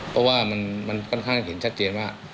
เพราะว่ามันค่อนข้างเห็นชัดเจนว่า